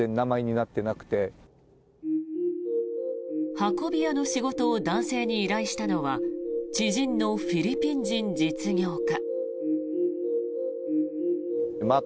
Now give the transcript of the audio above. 運び屋の仕事を男性に依頼したのは知人のフィリピン人実業家。